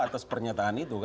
atas pernyataan itu